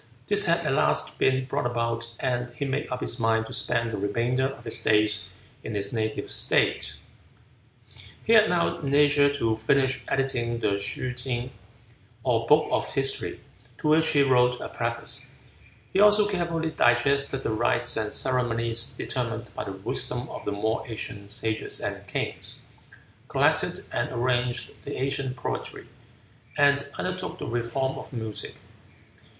This had at last been brought about, and he made up his mind to spend the remainder of his days in his native state. He had now leisure to finish editing the Shoo King, or Book of History, to which he wrote a preface; he also "carefully digested the rites and ceremonies determined by the wisdom of the more ancient sages and kings; collected and arranged the ancient poetry; and undertook the reform of music."